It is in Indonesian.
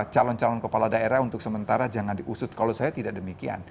calon calon kepala daerah untuk sementara jangan diusut kalau saya tidak demikian